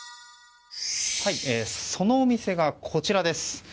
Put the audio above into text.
そのお店がこちらです。